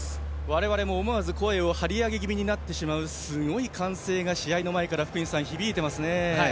我々も思わず声を張り上げ気味になってしまうすごい歓声が試合の前から福西さん、響いていますね。